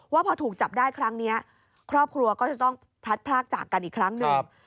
ว่าพอถูกจับได้ครั้งนี้ครอบครัวก็จะต้องพลัดพลากจากกันอีกครั้งหนึ่ง